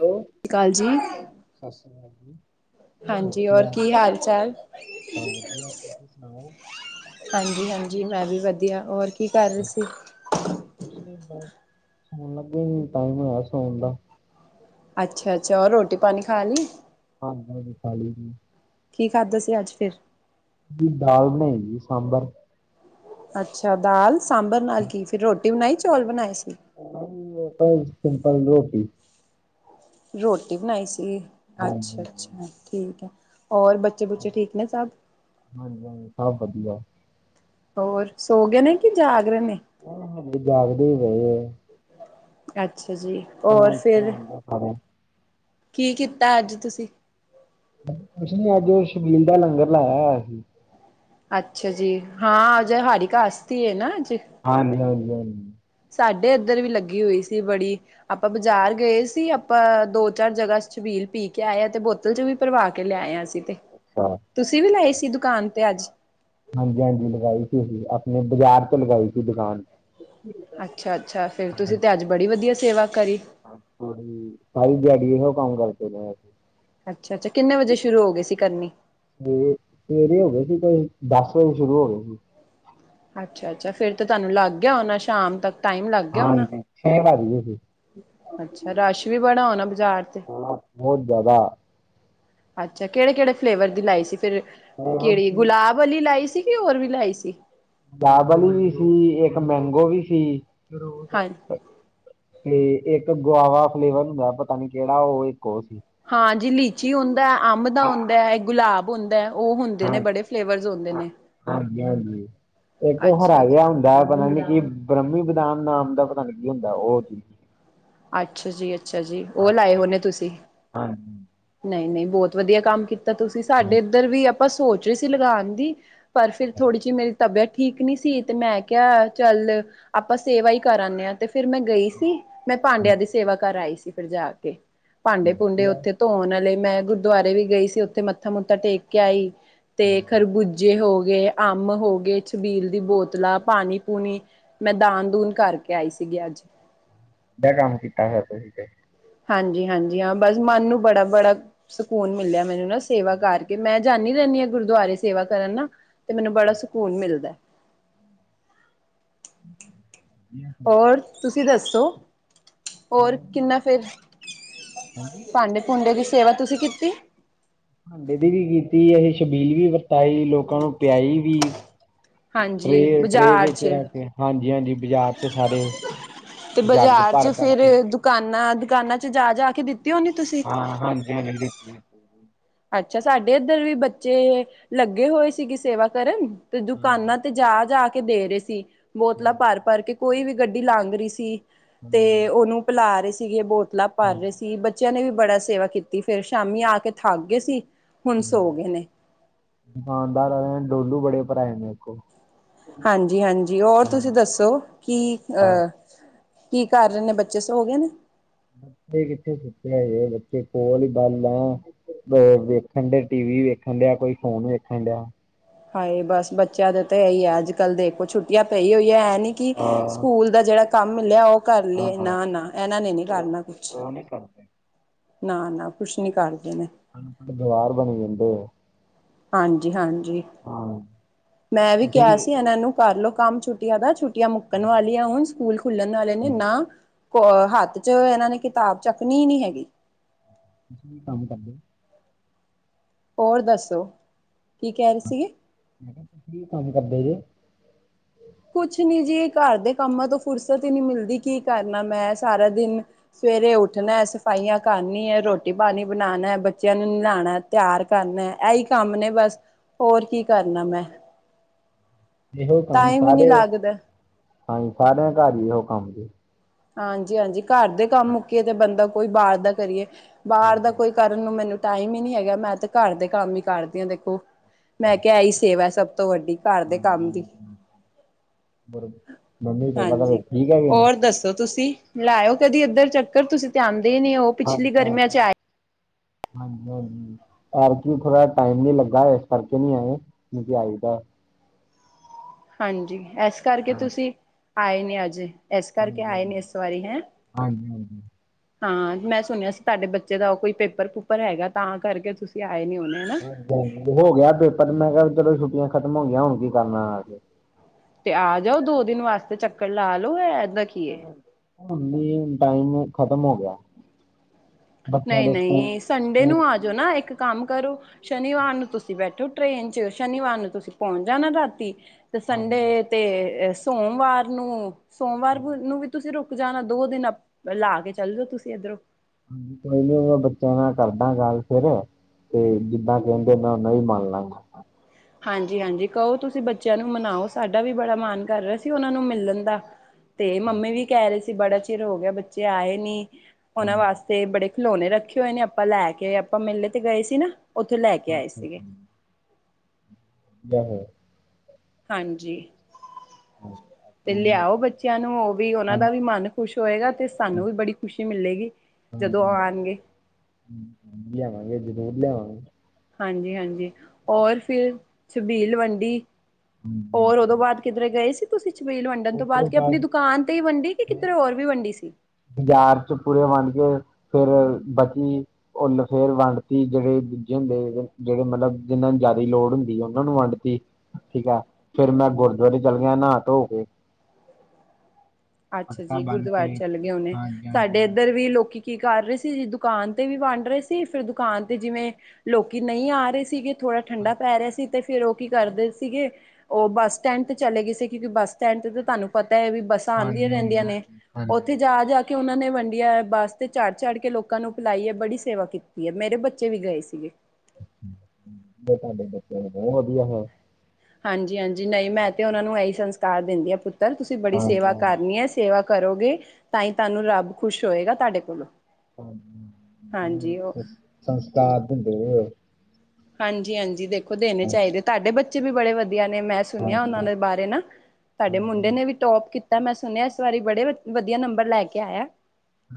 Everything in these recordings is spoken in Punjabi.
ਹੈਲੋ। ਸਤਿ ਸ਼੍ਰੀ ਅਕਾਲ ਜੀ। ਸਤਿ ਸ਼੍ਰੀ ਅਕਾਲ ਜੀ। ਹਾਂਜੀ ਔਰ ਵਧੀਆ, ਕੀ ਹਾਲ ਚਾਲ ਬਸ ਵਧੀਆ ਤੁਸੀ ਸੁਣਾਓ? ਹਾਂਜੀ, ਹਾਂਜੀ ਮੈ ਵੀ ਵਧੀਆ। ਹੋਰ ਕੀ ਕਰ ਰੇ ਸੀ? ਕੁਛ ਨੀਂ ਬਸ, ਸੋਣ ਲੱਗੇ ਹੀ ਟਾਈਮ ਹੋਇਆ ਸੋਣ ਦਾ। ਅੱਛਾ, ਅੱਛਾ। ਹੋਰ ਰੋਟੀ ਪਾਣੀ ਖਾ ਲੀ। ਹਾਂਜੀ, ਹਾਂਜੀ ਖਾਲੀ ਜੀ। ਕੀ ਖਾਧੇ ਸੀ, ਅੱਜ ਫਿਰ। ਅਸੀ ਦਾਲ ਬਣਾਈ ਜੀ, ਸਾਂਬਰ। ਅੱਛਾ ਦਾਲ ਸਾਂਬਰ ਨਾਲ ਕੀ, ਫਿਰ ਰੋਟੀ ਬਣਾਈ, ਚੌਲ ਬਣਾਏ ਸੀ। ਅਸੀ ਤਾਂ [unintelligible] ਸਿੰਪਲ ਰੋਟੀ। ਰੋਟੀ ਬਣਾਈ ਸੀ। ਅੱਛਾ, ਹਾਂਜੀ ਅੱਛਾ ਠੀਕ ਐ ਹੋਰ ਬੱਚੇ-ਬੁੱਚੇ ਠੀਕ ਨੇਂ ਸਭ। ਹਾਂਜੀ, ਹਾਂਜੀ ਸਭ ਵਧੀਆ। ਹੋਰ ਸੋ ਗਏ ਨੇਂ ਕਿ ਜਾਗ ਰੇ ਨੇਂ। ਹਜੇ ਜਾਗਦੇ ਹੀ ਪਏ ਆ। ਅੱਛਾ ਜੀ, ਹੋਰ ਖਾਣਾ ਫਿਰ ਧਿਆਨ ਦਾ ਖਾ ਰਹੇ। ਕੀ ਕੀਤਾ ਅੱਜ ਤੁਸੀ ਕੁਛ ਨੀਂ ਅੱਜ ਓ ਛਪੀਲ ਦਾ ਲੰਗਰ ਲਾਇਆ ਹੋਇਆ ਸੀ। ਅੱਛਾ ਜੀ। ਹਾਂ, ਅੱਜ ਹੜੀ ਕਾਸਤੀ ਐ ਨਾ ਅੱਜ। ਹਾਂਜੀ, ਹਾਂਜੀ-ਹਾਂਜੀ। ਸਾਡੇ ਇਧਰ ਵੀ ਲੱਗੀ ਹੋਈ ਸੀ ਬੜੀ। ਆਪਾਂ ਬਾਜਾਰ ਗਏ ਸੀ, ਆਪਾਂ ਦੋ-ਚਾਰ ਜਗ੍ਹਾ ਛਬੀਲ ਪੀ ਕੇ ਆਏ ਤੇ ਬੋ ਬੋਤਲ ਵੀ ਭਰਵਾ ਕੇ ਲਿਆਏ ਆਂ ਅਸੀ ਤੇ ਅੱਛਾ। ਤੁਸੀ ਵੀ ਲਾਏ ਸੀ ਦੁਕਾਨ ਤੇ ਅੱਜ। ਹਾਂਜੀ, ਹਾਂਜੀ ਲਗਾਈ ਸੀ ਅਸੀ ਆਪਣੇ ਬਾਜਾਰ ਤੇ ਲਗਾਈ ਸੀ ਦੁਕਾਨ ਅੱਛਾ-ਅੱਛਾ ਫੇਰ ਤੁਸੀ ਹਾਂਜੀ, ਤੇ ਅੱਜ ਬੜੀ ਵਧੀਆ ਸੇਵਾ ਕਰੀ। [unintelligible] ਸਾਰੀ ਦਿਆਡੀ ਇਹੋ ਕੰਮ ਕਰਦੇ ਰੇ ਆਂ। ਅੱਛਾ-ਅੱਛਾ ਕਿੰਨੇ ਵਜੇ ਸ਼ੁਰੂ ਹੋ ਗੇ ਸੀ ਕਰਨੀ। ਸਵੇਰੇ, ਸਵੇਰੇ ਹੋ ਗਏ ਸੀ ਕੋਈ, ਦਸ ਵਜੇ ਸ਼ੁਰੂ ਹੋ ਗਏ ਸੀ। ਅੱਛਾ-ਅੱਛਾ ਫੇਰ ਤੇ ਤੁਆਨੂੰ ਲੱਗ ਗਿਆ ਹੋਣਾ ਸ਼ਾਮ ਤੱਕ। ਟਾਈਮ ਲੱਗ ਗਿਆ ਹੋਣਾ ਹਾਂਜੀ ਛੇ ਵੱਜ ਗੇ ਸੀ। ਅੱਛਾ ਰਸ਼ ਵੀ ਬੜਾ ਹੋਣਾ ਬਾਜਾਰ ਤੇ। ਬਹੁਤ ਬਹੁਤ ਜ਼ਿਆਦਾ ਅੱਛਾ ਕੇੜੇ-ਕੇੜੇ ਫਲੇਵਰ ਦੀ ਲਾਈ ਸੀ ਫਿਰ, ਬਹੁਤ ਕੇੜੇ ਸੀ ਗੁਲਾਬ ਵਲੀ ਲਾਈ ਸੀ ਕੇ ਹੋਰ ਵੀ ਲਾਈ ਸੀ। ਗੁਲਾਬ ਆਲੀ ਵੀ ਸੀ, ਇਕ ਮੈਗੋ ਵੀ ਸੀ। ਹਾਂਜੀ ਤੇ ਇਕ ਗੁਆਵਾ ਫਲੇਵਰ ਹੁੰਦਾ ਪਤਾ ਨੀਂ ਕੇੜਾ ਓ ਇਕ ਓ ਸੀ। ਹਾਂਜੀ ਲੀਚੀ ਹੁੰਦੈ, ਅੰਬ ਦਾ ਹੁੰਦੈ, ਇ ਗੁਲਾਬ ਹੁੰਦੈ ਓ ਹੁੰਦੇ ਨੇ ਬੜੇ ਫਲੇਵਰ ਹੁੰਦੇ ਨੇ। ਹਾਂਜੀ-ਹਾਂਜੀ ਇਕ ਓ ਅੱਛਾ ਹਰਾ ਜਿਹਾ ਹੁੰਦਾ ਪਤਾ ਨੀ ਕੀ ਬ੍ਰਮੀ ਬਦਾਨ ਨਾਮ ਦਾ ਪਤਾ ਨੀ ਕੀ ਹੁੰਦਾ ਓ ਚੀ ਆਛਾ ਜੀ ਅੱਛਾ ਜੀ ਓ ਲਾਏ ਹੋਣੇ ਤੁਸੀ ਹਾਂ ਨਈ-ਨਈ ਬੋਤ ਵਧੀਆ ਕੰਮ ਕੀਤਾ ਤੁਸੀ ਸਾਡੇ ਹਾਂਜੀ ਏਧਰ ਵੀ ਆਪਾਂ ਸੋਚ ਰੇ ਸੀ ਲਗਾਣ ਦੀ ਪਰ ਫਿਰ ਥੋੜੀ ਜੀ ਮੇਰੀ ਤਬੇਅਤ ਠੀਕ ਨੀ ਸੀ ਤੇ ਮੈਂ ਕਿਆ ਚੱਲ ਆਪਾਂ ਸੇਵਾ ਈ ਕਰ ਆਨੇ ਆ, ਤੇ ਫੇਰ ਮੈਂ ਗਈ ਸੀ ਮੈਂ ਪਾਂਡਿਆਂ ਦੀ ਹਾਂਜੀ, ਸੇਵਾ ਕਰ ਆਈ ਸੀ ਫਿਰ ਜਾ ਕੇ ਪਾਂਡੇ-ਪੁੰਦੇ ਵਧੀਆ ਉੱਥੇ ਧੋਣ ਅਲੇ ਮੈਂ ਗੁਰਦੁਆਰੇ ਵੀ ਗਈ ਸੀ ਉੱਥੇ ਮੱਥਾ-ਮੁਥਾ ਟੇਕ ਕੇ ਆਈ ਤੇ ਵਧੀਆ ਖਰਬੁਜੇ ਹੋਗੇ, ਅਮ ਹੋਗੇ, ਛਬੀਲ ਦੀ ਬੋਤਲਾਂ, ਪਾਣੀ-ਪੂਣੀ ਮੈਂ ਦਾਨ-ਦੂਨ ਕਾਰਕੇ ਆਈ ਸੀਗੀ ਅੱਜ। [unintelligible] ਕੰਮ ਕੀਤਾ ਫੇਰ ਤੁਸੀ ਤੇ। ਹਾਂਜੀ-ਹਾਂਜੀ ਹਾਂ ਬਸ ਮਨ ਨੂੰ ਬੜਾ-ਬੜਾ ਸਕੂਨ ਮਿਲਿਆ ਮੈਨੂੰ ਮੈਨੂੰ ਨਾ ਸੇਵਾ ਕਾਰਕੇ ਮੈਂ ਜਾਣੀ ਰੈਨੀ ਆਂ ਗੁਰਦੁਆਰੇ ਸੇਵਾ ਕਰਨ ਨਾ ਤੇ ਮੈਨੂੰ ਬੜਾ ਸਕੂਨ ਮਿਲਦੈ। [inaudible] ਫਿਰ ਔਰ ਤੁਸੀ ਦੱਸੋ? ਹੋਰ ਮੈਂ ਕਿੰਨਾ ਫੇਰ ਹਾਂਜੀ ਪਾਂਡੇ-ਪੁੰਡੇ ਦੀ ਸੇਵਾ ਤੁਸੀ ਕੀਤੀ? ਪਾਂਡੇ ਦੀ ਵੀ ਕੀਤੀ, ਅਹੀ ਛਬੀਲ ਵੀ ਵਰਤਾਈ, ਲੋਕਾਂ ਨੂੰ ਪਿਆਈ ਵੀ। ਹਾਂਜੀ ਟਰੇਅ-ਟਰੇਅ ਬਾਜ਼ਾਰ ਵਿੱਚ ਚ ਰੱਖ ਕੇ ਹਾਂਜੀ-ਹਾਂਜੀ ਬਾਜ਼ਾਰ ਚ ਸਾਰੇ। ਤੇ ਜੱਗ ਬਾਜ਼ਾਰ ਭਰ ਚ ਭਰ ਫਿਰ ਕੇ ਦੁਕਾਨਾਂ-ਦੁਕਾਨਾਂ ਚ ਜਾ-ਜਾ ਕੇ ਦਿਤੀ ਹੋਣੀ ਤੁਸੀ? ਹਾਂ ਹਾਂਜੀ-ਹਾਂਜੀ [unintelligible] ਦਿਤੀ। ਅੱਛਾ ਸਾਡੇ ਏਧਰ ਵੀ ਬੱਚੇ ਲਗੇ ਹੋਏ ਸੀਗੇ ਸੇਵਾ ਕਰਨ ਤੇ ਹਾਂਜੀ ਦੁਕਾਨਾਂ ਤੇ ਜਾ-ਜਾ ਕੇ ਦੇ ਰੇ ਸੀ ਬੋਤਲਾਂ ਪਰ-ਪਰ ਕੇ ਕੋਈ ਵੀ ਗੱਢੀ ਲੰਘ ਰੀ ਸੀ। ਤੇ ਹਾਂਜੀ ਉਨੂੰ ਪਲਾ ਰੇ ਸੀਗੇ ਬੋਤਲਾਂ ਭਰ ਹਾਂਜੀ ਰੇ ਸੀ ਬ ਚਿਆਂ ਨੇ ਵੀ ਬੜਾ ਸੇਵਾ ਕੀਤੀ ਫੇਰ ਸ਼ਾਮੀ ਆ ਕੇ ਥੱਕ ਗੇ ਸੀ ਹੁਣ ਸੋ ਗੇ ਨੇ। ਦੁਕਾਨਦਾਰਾ ਨੇ ਡੋਲੂ ਬੜੇ ਭਰਾਏ ਮੇਕੋ। ਹਾਂਜੀ-ਹਾਂਜੀ ਹੋਰ ਤੁਸੀ ਦੱਸੋ? ਕੀ ਅ ਕੀ ਕਰ ਰੇ ਨੇ ਬੱਚੇ ਸੋਗੇ ਨੇ? ਬੱਚੇ ਕਿੱਥੇ ਸੁੱਤੇ ਹਜ਼ੇ ਬੱਚੇ ਕੋਲ ਈ [unintelligible] ਵ ਵੇਖਣ ਡੇ ਟੀ ਵੀ ਵੇਖਣ ਡਿਆ, ਕੋਈ ਫੋਨ ਵੇਖਣ ਡਿਆ। ਹਾਏ ਬਸ ਬੱਚਿਆਂ ਦੇ ਤੇ ਐਈ ਐ ਅੱਜ-ਕੱਲ੍ਹ ਦੇਖੋ ਛੁੱਟੀਆਂ ਪਈ ਹੋਈਐ ਨੀ ਕੀ ਹਾਂ ਸਕੂਲ ਦਾ ਜੇੜਾ ਕੰਮ ਮਿਲਿਆ ਓ ਕਰ ਹਾਂ ਲੀਏ ਨਾ-ਨਾ ਐਨਾ ਨੇ ਨੀ ਕਰਨਾ ਕੁੱਛ। ਹੁਣੇ [unintelligible] ਨਾ-ਨਾ ਕੁੱਛ ਨੀ ਕਰਦੇ ਨੇ। ਅਨਪੜ੍ਹ ਗਵਾਰ ਬਣੀ ਜੰਦੇ। ਹਾਂਜੀ-ਹਾਂਜੀ ਹਾਂ, ਮੈਂ ਵੀ ਤੁਸੀਂ ਕਿਆ ਸੀ ਹਾਂ, ਐਨਾ ਨੂੰ ਕਰਲੋ ਕੰਮ ਛੁੱਟੀਆਂ ਦਾ ਛੁੱ ਟੀਆਂ ਮੁੱਕਣ ਹਾਂ, ਵਾਲੀਆਂ ਹੁਣ ਸਕੂਲ ਖੁੱਲਣ ਆਲੇ ਨੇ ਨਾ ਕੋ ਹੱਥ ਚ ਏਨਾਂ ਨੇ ਕਿਤਾਬ ਚਕਣੀ ਨੀ ਹੈਗੀ। ਤੁਸੀ ਵੀ ਕੰਮ ਕਰਦੇ [unintelligible] ਔਰ ਦੱਸੋ? ਕੀ ਕੈ ਰੇ ਸੀਗੇ? ਮੈਂ ਕਿਆ ਤੁਸੀ ਵੀ ਕੰਮ ਕਰਦੇ ਜੇ? ਕੁੱਛ ਨੀ ਜੀ ਘਰ ਦੇ ਕੰਮਾਂ ਤੋਂ ਫੁਰਸਤ ਈ ਨੀ ਮਿਲਦੀ ਕੀ ਕਾਰਨਾ ਮੈਂ ਸਾਰਾ ਦਿਨ ਸਵੇਰੇ ਉੱਠਣੈ, ਸਫਾਈਆਂ ਕਰਨੀਐ, ਰੋਟੀ-ਪਾਣੀ ਬਨਾਣੈ, ਬੱਚਿਆਂ ਨੂੰ ਨੈਲਾਂਣੈ ਤਿਆਰ ਕਰਨਾ ਐਈ ਕੰਮ ਨੇ ਬਸ, ਹੋਰ ਕੀ ਕਰਨਾ ਮੈਂ। ਏਹੇ ਕੰਮ ਟਾਈਮ ਹੀ ਨਹੀਂ ਸਾਰੇ, ਲੱਗਦਾ ਹਾਂਜੀ ਸਾਰਿਆਂ ਘਰ ਈ ਐਹੋ ਕੰਮ ਜੇ। ਹਾਂਜੀ-ਹਾਂਜੀ ਘਰ ਦੇ ਕੰਮ ਹਾਂਜੀ, ਮੁੱਕੀਏ ਤੇ ਬੰਦਾ ਕੋਈ ਬਾਹਰ ਦਾ ਕਰੀਏ, ਬਾਹਰ ਦਾ ਹਾਂਜੀ, ਕੋਈ ਕਰ ਕਰਨ ਨੂੰ ਮੈਨੂੰ ਟਾਈਮ ਈ ਨੀ ਹੈਗਾ ਮੈਂ ਤੇ ਘਰ ਦੇ ਕੰਮ ਈ ਕਰਦੀ ਆ ਦੇਖੋ। ਮੈਂ ਕਿਆ ਐਈ ਸੇਵਾ ਸਭ ਤੋ ਵੱਡੀ। ਘਰ ਦੇ ਹਾਂਜੀ। ਹਾਂਜੀ। ਕੰਮ ਦੀ, ਹੋਰ ਮੰਮੀ ਪਾਪਾ ਹਾਂਜੀ ਤੁਹਾਡੇ ਠੀਕ ਹੈਗੇ ਨੇ? ਹੋਰ ਦਸ ਤੋੰ ਤੁਸੀ ਲਾਇਔ ਕਦੀ ਏਧਰ ਚੱਕਰ, ਤੁਸੀਂ ਤੇ ਆਂਦੇ ਈ ਨੀ ਓ। ਹਾਂਜੀ ਹਾਂ, ਹਾਂਜੀ- ਹਾਂਜੀ ਐਤਕੀ ਥੋੜਾ ਟਾਈਮ ਨੀ ਲੱਗਾ, ਇਸ ਕਰਕੇ ਨੀ ਆਏ, ਨਹੀ ਤੇ ਆਈਦਾ ਹਾਂਜੀ, ਐਸ ਕਰਕੇ ਹਾਂ ਤੁਸੀਂ ਆਏ ਨੇ ਅਜੇ ਹਾਂਜੀ- ਹਾਂਜੀ, ਹਾਂਜੀ- ਹਾਂਜੀ ਹਾਂ, ਮੈਂ ਸੁਣਿਆ ਸੀ ਤੁਹਾਡੇ ਬੱਚੇ ਦਾ ਉਹ ਕੋਈ ਪੇਪਰ ਪੂਪਰ ਹੈਗਾ ਤਾਂ ਕਰਕੇ ਤੁਸੀਂ ਆਏ ਨੀ ਹੋਣੇ ਹਨਾ। ਹਾਂਜੀ- ਹਾਂਜੀ ਹੋ ਗਿਆ ਪੇਪਰ ਮੈਂ ਕਿਹਾ ਚਲੋ ਛੁੱਟੀਆਂ ਖਤਮ ਹੋ ਗਈਆਂ ਹੁਣ ਕੀ ਕਰਨਾ ਆ ਕੇ ਤੇ ਆ ਜਾਓ ਦੋ ਦਿਨ ਵਾਸਤੇ ਚੱਕਰ ਲਾ ਲਓ ਐਦਾ ਕੀ ਏ ਹੁਣ ਨੀ ਟਾਈਮ ਖ਼ਤਮ ਹੋ ਗਿਆ ਬੱਚਿਆਂ ਨਹੀਂ- ਦੇ ਸਕੂਲ ਨਹੀਂ ਸੰਡੇ ਸਕੂਲ ਨੂੰ ਆਜੋ ਨਾ ਇੱਕ ਕੰਮ ਕਰੋ? ਸ਼ਨੀਵਾਰ ਨੂੰ ਤੁਸੀਂ ਬੈਠੋ ਟਰੇਨ 'ਚ, ਸ਼ਨੀਵਾਰ ਨੂੰ ਤੁਸੀਂ ਪਹੁੰਚ ਜਾਣਾ ਰਾਤੀ ਤੇ ਸੰਡੇ ਹਾਂਜੀ ਤੇ, ਸੋਮਵਾਰ ਨੂੰ, ਸੋਮਵਾਰ ਹਾਂਜੀ ਨੂੰ ਵੀ ਤੁਸੀਂ ਰੁਕ ਰੁਕ ਜਾਣਾ, ਦੋ ਦਿਨ ਅਪ, ਲਾ ਕੇ ਚੱਲ ਜਾਓ ਤੁਸੀਂ ਇੱਧਰੋਂ ਹਾਂਜੀ, ਕੋਈ ਨੀ ਮੈਂ ਬੱਚਿਆਂ ਨਾਲ ਕਰਦਾ ਗੱਲ ਫੇਰ ਤੇ ਜਿੱਦਾਂ ਕਹਿੰਦੇ, ਮੈਂ ਉਹਨਾ ਦੀ ਮੰਨ ਲਾਂਗਾ ਹਾਂਜੀ- ਹਾਂਜੀ ਕਹੋ ਤੁਸੀਂ ਬੱਚਿਆਂ ਨੂੰ ਮਨਾਓ ਸਾਡਾ ਵੀ ਬੜਾ ਮੰਨ ਕਰ ਰਿਹਾ ਸੀ ਉਹਨਾਂ ਨੂੰ ਮਿਲਣ ਦਾ ਤੇ ਮੰਮੀ ਵੀ ਕਹਿ ਰਹੇ ਸੀ ਬੜਾ ਚਿਰ ਹੋ ਗਿਆ ਬੱਚੇ ਆਏ ਨੀ ਉਹਨਾਂ ਹਾਂਜੀ ਵਾਸਤੇ ਬੜੇ ਖਿਲੌਣੇ ਰੱਖੇ ਹੋਏ ਨੇ ਆਪਾਂ ਲੈ ਕੇ ਆਪਾਂ ਮੇਲੇ ਤੇ ਗਏ ਸੀ ਨਾ ਉੱਥੇ ਲੈ ਕੇ ਆਏ ਅੱਛਾ ਸੀਗੇ ਬਾਹਰੋ ਹਾਂਜੀ ਅੱਛਾ ਤੇ ਲਿਆਓ ਬੱਚਿਆਂ ਨੂੰ, ਓ ਵੀ, ਉਹਨਾਂ ਦਾ ਵੀ ਮਨ ਖੁਸ਼ ਹੋਏਗਾ ਤੇ ਸਾਨੂੰ ਵੀ ਬੜੀ ਖੁਸ਼ੀ ਮਿਲੇਗੀ ਜਦੋਂ ਹਾਂਜੀ ਆਣਗੇ ਲਿਆਵਾਂਗੇ ਜਰੂਰ ਲਿਆ ਹਾਂਜੀ- ਹਾਂਜੀ ਔਰ ਫਿਰ, ਛਬੀਲ ਵੰਡੀ ਹਮ ਔਰ ਉਦੋਂ ਬਾਅਦ ਕਿੱਧਰ ਗਏ ਸੀ ਤੁਸੀਂ ਚਬੀਲ ਵੰਡਣ ਤੋਂ ਬਾਅਦ ਕੇ ਆਪਣੀ ਦੁਕਾਨ ਤੇ ਹੀ ਵੰਡੀ ਕਿ ਮੈਂ ਕਿੱਧਰੇ ਹੋਰ ਵੀ ਵੰਡੀ ਸੀ ਬਾਜ਼ਾਰ 'ਚ ਪੂਰੇ ਵੰਡ ਕੇ, ਫਿਰ ਬਚੀ ਉੱਲ ਫਿਰ ਵੰਡਤੀ ਜਿਹੜੇ ਦੂਜੇ ਹੁੰਦੇ ਜਿਹੜੇ ਮਤਲਬ ਜਿਹਨਾਂ ਨੂੰ ਜ਼ਿਆਦਾ ਲੋੜ ਹੁੰਦੀ, ਉਹਨਾਂ ਨੂੰ ਵੰਡਤੀ ਠੀਕ ਐ, ਫਿਰ ਮੈਂ ਗੁਰਦੁਆਰੇ ਚੱਲ ਗਿਆ ਨਹਾ ਧੋ ਕੇ ਅੱਛਾ ਮਟਕਾ ਜੀ ਬੰਨ ਗੁਰਦੁਆਰੇ ਕੇ ਚਲੇ ਗਏ ਹੋਨੇ, ਹਾਂਜੀ ਹਾਂਜੀ ਸਾਡੇ ਹਾਂਜੀ ਇੱਧਰ ਵੀ ਲੋਕੀ ਕੀ ਕਰ ਰਹੇ ਸੀ ਜੇ ਦੁਕਾਨ ਤੇ ਵੀ ਵੰਡ ਰਹੇ ਸੀ ਫੇਰ ਦੁਕਾਨ ਤੇ ਜਿਵੇਂ, ਲੋਕੀ ਨਹੀਂ ਆ ਰਹੇ ਸੀਗੇ ਥੋੜਾ ਠੰਡਾ ਪੈ ਰਿਹਾ ਸੀ ਤੇ ਫਿਰ ਉਹ ਕੀ ਕਰਦੇ ਸੀਗੇ, ਉਹ ਬੱਸ ਸਟੈਂਡ ਤੇ ਚਲੇ ਗਏ ਸੀ ਕਿਉਂਕਿ ਬੱਸ ਸਟੈਂਡ ਤੇ ਤੇ ਤੁਹਾਨੂੰ ਪਤਾ ਐ, ਵੀ ਬੱਸ ਤਾਂ ਆਉਂਦੀਆਂ ਹਾਂਜੀ ਹਾਂਜੀ ਰਹਿੰਦੀਆਂ ਨੇ, ਹਾਂਜੀ ਉੱਥੇ ਹਾਂਜੀ ਜਾ- ਜਾ ਕੇ ਉਹਨਾਂ ਨੇ ਵੰਡੀਆਂ, ਬੱਸ ਤੇ ਚੜ੍ਹ- ਚੜ੍ਹ ਕੇ ਲੋਕਾਂ ਨੂੰ ਪਿਲਾਈ ਐ, ਬੜੀ ਸੇਵਾ ਕੀਤ ਕੀਤੀ ਹੈ, ਮੇਰੇ ਬੱਚੇ ਵੀ ਗਏ ਸੀਗੇ ਤੁਹਾਡੇ, ਬੱਚਿਆਂ ਨੂੰ ਬਹੁ ਵਧੀਆ ਹੋਯਾ ਹਾਂਜੀ -ਹਾਂਜੀ ਨਹੀਂ, ਮੈਂ ਤੇ ਉਹਨਾਂ ਨੂੰ ਇਹੀ ਸੰਸਕਾਰ ਦਿੰਦੀ ਹਾਂ, ਪੁੱਤਰ ਤੁਸੀਂ ਬੜੀ ਸੇਵਾ ਹਾਂਜੀ ਕਰਨੀ ਹੈ। ਸੇਵਾ ਕਰੋਗੇ, ਤਾਂ ਹੀ ਤੁਹਾਨੂੰ ਰੱਬ ਖੁਸ਼ ਹੋਏਗਾ। ਤੁਹਾਡੇ ਕੋਲੋਂ- ਹਾਂਜੀ ਸੰਸਕਾਰ ਦਿੰਦੇ ਵੇ [unintelligible] ਹਾਂਜੀ- ਹਾਂਜੀ ਦੇਖੋ ਦੇਣੇ ਚਾਹੀਦੇ, ਤੁਹਾਡੇ ਬੱਚੇ ਵੀ ਬੜੇ ਵਧੀਆ ਨੇ, ਮੈਂ- ਸੁਣਿਆ। ਹਾਂਜੀ ਹਾਂਜੀ ਉਹਨਾਂ ਦੇ ਬਾਰੇ ਨਾ, ਸਾਡੇ ਹਾਂਜੀ ਮੁੰਡੇ ਹਾਂਜੀ ਨੇ ਵੀ। ਟੋਪ ਕੀਤਾ। ਮੈਂ ਸੁਣਿਆ ਇਸ ਵਾਰੀ ਬੜੇ ਵਧੀਆ। ਨੰਬਰ ਲੈ ਕੇ ਆਇਆ।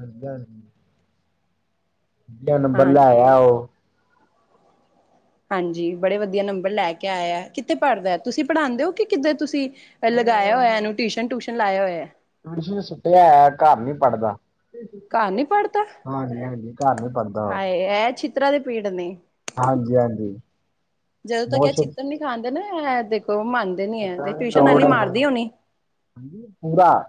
ਹਦਾ [unintelligible] ਵਧਿਆ, ਨੰਬਰ ਹਾਂ ਲੈ ਆਇਆ ਉਹ- ਹਾਂਜੀ, ਬੜੇ ਵਧੀਆ ਨੰਬਰ ਲੈ ਕੇ ਆਇਆ। ਕਿੱਥੇ ਪੜ੍ਹਦਾ, ਤੁਸੀਂ ਪੜ੍ਹਾਉਂਦੇ ਹੋ, ਕਿ ਕਿੱਧਰ ਤੁਸੀਂ? ਪਹਿਲੇ ਨਹੀਂ ਲਗਾਇਆ ਹੋਇਆ। ਇਹਨੂੰ ਟਿਊਸ਼ਨ ਟਊਸ਼ਨ ਲਾਇਆ ਹੋਇਆ। ਹਾਂਜੀ ਏ ਸੁੱਟਿਆ ਹੈ, ਘਰ ਨੀ ਪੜ੍ਹਦਾ। [unintelligible] ਘਰ ਨੀ ਪੜ੍ਹਦਾ ਹਾਂਜੀ- ਹਾਂਜੀ, ਘਰ ਨੀ ਪੜ੍ਹਦਾ ਉਹ- ਹਾਏ ਇਹ ਛਿੱਤਰਾਂ ਦੇ ਪੀੜ ਨੇ, ਹਾਂਜੀ ਹਾਂਜੀ [unintelligible] ਜਦੋਂ ਤੱਕ ਇਹ ਬਹੁਤ ਛਿੱਤਰ ਨੀ। ਖਾਂਦੇ ਨਾ, ਇਹ ਦੇਖੋ ਮੰਨਦੇ ਨੀ ਹੈ, ਤੇ ਟਿਊਸ਼ਨ ਵਾਲੀ ਮਾਰਦੀ ਹੋਣੀ। ਹਾਂਜੀ ਪੂਰਾ [unintelligible]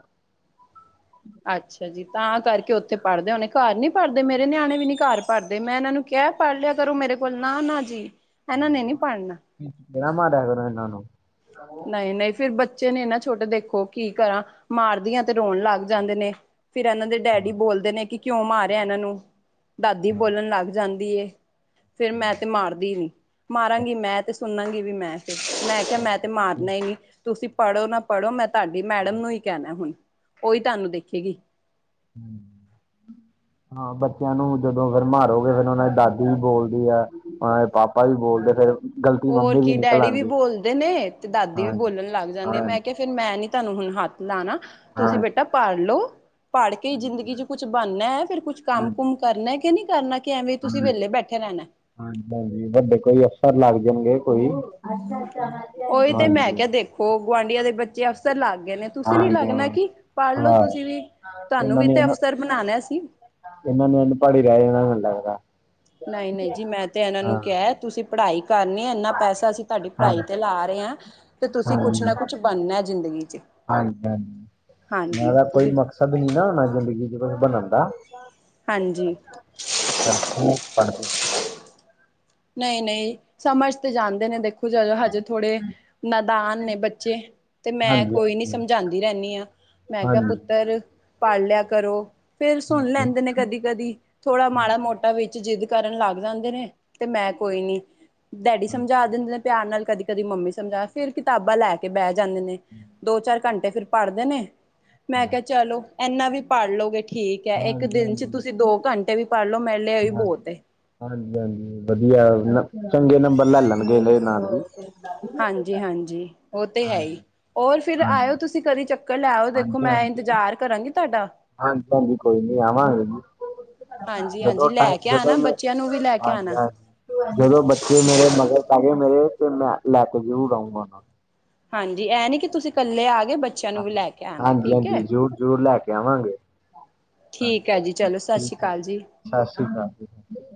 ਅੱਛਾ ਜੀ, ਤਾਂ ਕਰਕੇ ਉੱਥੇ ਪੜਦੇ ਹੋਣੇ, ਘਰ ਨੀ ਪੜਦੇ ਮੇਰੇ ਨਿਆਣੇ ਵੀ ਨੀ ਘਰ ਪੜਦੇ, ਮੈਂ ਇਹਨਾਂ ਨੂੰ- ਕਹਿਆ ਪੜ ਲਿਆ ਕਰੋ ਮੇਰੇ ਕੋਲ, ਨਾ ਨਾ ਜੀ। ਇਹਨਾਂ ਨੇ ਨੀ ਪੜ੍ਹਨਾ ਮਮ ਦੇਰ ਇਹਨਾਂਾਨ [unintelligible] ਨਹੀਂ- ਨਹੀਂ ਫਿਰ ਬੱਚੇ ਨੇ ਨਾ ਛੋਟੇ, ਦੇਖੋ ਕੀ ਕਰਾਂ ਮਾਰਦੀਆਂ ਤੇ, ਰੋਣ ਲੱਗ- ਜਾਂਦੇ ਨੇ, ਫਿਰ ਇਹਨਾਂ ਦੇ ਡੈਡੀ ਬੋਲਦੇ ਨੇ, ਕਿ ਕਿਉਂ ਮਾਰਿਆ। ਇਹਨਾਂ ਨੂੰ- ਦਾਦੀ, ਬੋਲਣ ਲੱਗ ਜਾਂਦੀ ਏ। ਫਿਰ ਮੈਂ ਤੇ ਮਾਰਦੀ ਨੀ, ਮਾਰਾਂਗੀ ਮੈਂ, ਤੇ ਸੁਣਾਂਗੀ ਵੀ ਮੈਂ, ਤੇ ਮੈਂ ਕਿਹਾ ਮੈਂ- ਤੇ ਮਾਰਨਾ ਹੀ ਨੀ, ਤੁਸੀਂ ਪੜੋ ਨਾ ਪੜੋ, ਮੈਂ ਤੁਹਾਡੀ ਮੈਡਮ ਨੂੰ ਹੀ ਕਹਿਣਾ ਹੁਣ, ਉਹੀ ਤੁਹਾਨੂੰ ਦੇਖੇਗੀ। ਹਮ [inaudible] ਹਾਂ, ਬੱਚਿਆਂ ਨੂੰ ਜਦੋਂ ਫਿਰ ਮਾਰੋਗੇ, ਫਿਰ ਉਹਨਾਂ ਦੀ ਦਾਦੀ ਵੀ ਬੋਲਦੀ ਹੈ। ਹਾਂ, ਪਾਪਾ ਵੀ ਬੋਲਦੇ ਫੇਰ- ਹੋਰ ਕੀ ਡੈਡੀ ਵੀ ਬੋਲਦੇ ਨੇ, ਤੇ ਦਾਦੀ ਵੀ ਹਾਂਜੀ ਬੋਲਣ ਲੱਗ ਜਾਂਦੀ ਹੈ। ਮੈਂ ਹਾਂਜੀ ਕਿਹਾ- ਫਿਰ, ਮੈਂ ਨੀ ਤੁਹਾਨੂੰ ਹੁਣ ਹੱਥ ਲਾਣਾ। ਤੁਸੀਂ ਹਾਂਜੀ ਬੇਟਾ ਪੜ ਲਓ, ਪੜ ਕੇ ਜ਼ਿੰਦਗੀ ਚ ਕੁੱਛ ਬਣਨਾ ਹੈ। ਫਿਰ ਕੁਛ ਕੰਮ ਹਾਂਜੀ ਕੁਮ- ਕਰਨਾ ਹੈ ਕਿ ਨਹੀਂ ਕਰਨਾ, ਕਿ ਐਵੇਂ ਤੁਸੀਂ ਹਾਂਜੀ ਵੇਹਲੇ ਬੈਠੇ ਰਹਿਣਾ। ਹਾਂਜੀ -ਹਾਂਜੀ ਵੱਡੇ ਕੋਈ ਅਫਸਰ ਲੱਗ ਜਾਣਗੇ। ਕੋਈ ਹਾਂਜੀ- [unintelligible] ਉਹ ਗੁਆਂਢੀਆਂ ਦੇ, ਬੱਚੇ ਅਫਸਰ ਲੱਗ ਗਏ ਨੇ। ਤੁਸੀਂ ਨੀ ਲੱਗਣਾ ਹਾਂਜੀ ਕੀ, ਪੜ ਲਓ ਹਾਂ ਤੁਸੀਂ ਵੀ, ਤੁਹਾਨੂੰ ਇਹਨਾਂ ਵੀ ਨੇ ਤੇ, ਅਫਸਰ ਬਣਾਣਾ ਅਸੀ। ਇਹਨਾਂ ਨੇ ਅਨਪੜ ਹੀ ਰਹਿ ਜਾਣਾ, ਮੈਨੂੰ ਲਗਦਾ। ਨਹੀਂ -ਨਹੀਂ ਜੀ, ਮੈਂ ਤੇ ਇਹਨਾਂ ਨੂੰ ਕਿਹਾ, ਤੁਸੀਂ ਪੜਾਈ ਕਰਨੀ। ਇੰਨਾ ਪੈਸਾ, ਅਸੀਂ ਤੁਹਾਡੀ ਹਾਂ ਪੜਾਈ ਤੇ ਲਾ ਰਹੇ ਹਾਂ। ਤੇ ਤੁਸੀਂ ਕੁਛ ਹਾਂਜੀ ਨਾ ਕੁਛ, ਬਣਨਾ ਜ਼ਿੰਦਗੀ ਚ ਹਾਂਜੀ ਹਾਂਜੀ, ਤੁਸੀਂ ਸਦ ਨੀ ਨਾ ਹੋਣਾ, ਜ਼ਿੰਦਗੀ ਚ ਕੁਝ ਬਣਨ ਦਾ। [unintelligible] ਹਾਂਜੀ। [unintelligible] ਨਹੀਂ -ਨਹੀਂ ਸਮਝ ਤੇ ਜਾਂਦੇ ਨੇ, ਦੇਖੋ ਜਦੋਂ ਹਜੇ ਥੋੜੇ ਨਦਾਨ ਨੇ ਬੱਚੇ- ਤੇ, ਮੈਂ ਹਾਂਜੀ ਕੋਈ ਨੀ ਹਾਂਜੀ ਸਮਝਾਂਦੀ ਰਹਿੰਦੀ ਹਾਂ। ਮੈਂ ਕਿਹਾ ਹਾਂਜੀ ਪੁੱਤਰ- ਪੜ ਲਿਆ ਕਰੋ, ਫਿਰ ਸੁਣ ਹਾਂਜੀ ਲੈਂਦੇ ਨੇ ਕਦੀ- ਕਦੀ ਥੋੜਾ ਮਾੜਾ ਹਾਂਜੀ ਮੋਟ- ਟਾ ਵਿੱਚ ਜਿੱਦ ਕਰਨ ਲੱਗ ਜਾਂਦੇ ਨੇ ਤੇ ਮੈਂ ਕੋਈ ਨੀ ਡੈਡੀ ਸਮਝਾ ਦਿੰਦੇ ਨੇ ਪਿਆਰ ਨਾਲ ਕਦੀ ਕਦੀ ਮੰਮੀ ਸਮਝਾ ਫਿਰ ਕਿਤਾਬਾਂ ਲੈ ਕੇ ਬਹਿ ਜਾਂਦੇ ਨੇ ਦੋ ਚਾਰ ਘੰਟੇ ਫਿਰ ਪੜਦੇ ਨੇ ਮੈਂ ਕਿਹਾ ਚਲੋ ਇੰਨਾ ਵੀ ਪੜ ਲਓਗੇ ਠੀਕ ਹੈ ਇੱਕ ਦਿਨ ਚ ਹਾਂਜੀ ਤੁਸੀਂ ਦੋ ਘੰਟੇ ਵੀ ਪੜ ਲੋ ਮੇਰੇ ਲਈ ਇਹ ਵੀ ਬਹੁਤ ਹੇ ਹਾਂਜੀ ਹਾਂਜੀ ਵਧੀਆ ਚੰਗੇ ਨੰਬਰ ਲੈ ਲੈਣਗੇ ਇਹਦੇ ਨਾਲ ਵੀ ਹਾਂਜੀ ਹਾਂਜੀ ਉਹ ਤੇ ਹੈ ਹੀ ਹਾਂਜੀ ਹੋਰ ਫਿਰ ਹਾਂਜੀ ਆਇਓ ਤੁਸੀਂ ਕਦੇ ਚੱਕ ਕਰ ਲਿਆੳ ਦੇਖੋ ਹਾਂਜੀ ਮੈਂ ਹਾਂਜੀ ਇੰਤਜ਼ਾਰ ਕਰਾਂਗੀ ਤੁਹਾਡਾ ਹਾਂਜੀ ਹਾਂਜੀ ਕੋਈ ਨੀ ਆਵਾਂਗੇ ਜੀ ਜਦੋਂ ਹਾਂਜੀ-ਹਾਂਜੀ ਟਾਈਮ ਲੈ ਕੇ ਜਦੋਂ ਆਣਾ ਮੈਂ ਬੱਚਿਆਂ ਨੂੰ ਵੀ ਲੈ ਕੇ ਹਾਂਜੀ ਆਣਾ ਹਾਂਜੀ ਜਦੋਂ ਬੱਚੇ ਮੇਰੇ ਮਗਰ ਪੈ ਗਏ ਮੇਰੇ ਤੇ ਮੈਂ ਲੈ ਕੇ ਜ਼ਰੂਰ ਆਊਂਗਾ ਹਾਂਜੀ ਇਹ ਨੀ ਕਿ ਤੁਸੀਂ ਇਕੱਲੇ ਆ ਗਏ ਬੱਚ ਹਾਂਜੀ ਹਾਂਜੀ ਜ਼ਰੂਰ ਜ਼ਰੂਰ ਲੈ ਕੇ ਆਵਾਂਗੇ ਠੀਕ ਹੈ ਜੀ ਹਾਂਜੀ ਚਲੋ ਸਤਿ ਠੀਕ ਸ਼੍ਰੀ ਹੈ ਅਕਾਲ ਜੀ ਸਤਿ ਸ਼੍ਰੀ ਅਕਾਲ